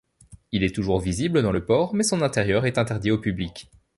Il est toujours visible dans le port mais son intérieur est interdit au public.